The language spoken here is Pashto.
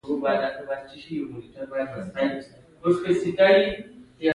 شرکت اوږدمهاله ستراتیژي ټاکي.